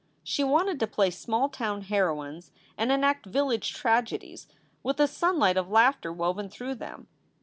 She wanted to play small town heroines and enact village tragedies with a sunlight of laughter woven through, them.